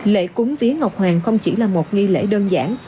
lễ cúng vía ngọc hoàng không chỉ là một nghi lễ đơn giản